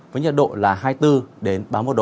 với nhiệt độ là hai mươi bốn đến ba mươi một độ